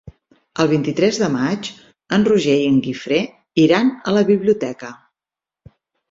El vint-i-tres de maig en Roger i en Guifré iran a la biblioteca.